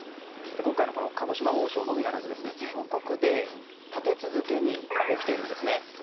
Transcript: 今回の鹿児島王将のみならず全国で立て続けに起きているんです。